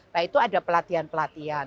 nah itu ada pelatihan pelatihan